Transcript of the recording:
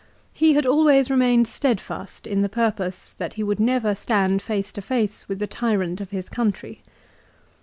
He had always remained steadfast in the purpose that he would never stand face to face with the tyrant of his country."